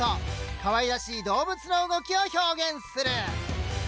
かわいらしい動物の動きを表現する！